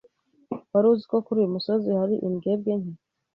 Wari uzi ko kuri uyu musozi hari imbwebwe nke?